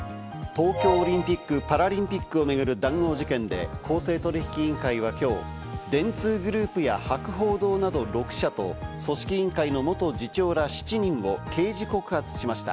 東京オリンピック・パラリンピックを巡る談合事件で、公正取引委員会は今日、電通グループや博報堂など６社と組織委員会の元次長ら７人を刑事告発しました。